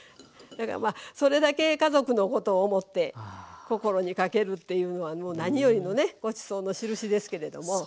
だからそれだけ家族のことを思って心にかけるっていうのは何よりのねごちそうの印ですけれども。